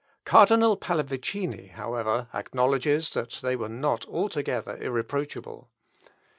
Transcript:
Cardinal Pallavicini, however, acknowledges that they were not altogether irreproachable.